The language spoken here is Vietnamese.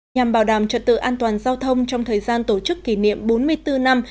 nhằm bảo đảm trật tự an toàn giao thông trong thời gian tổ chức kỷ niệm bốn mươi bốn năm